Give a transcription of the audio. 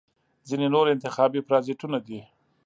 ځینې نور انتخابي پرازیتونه دي.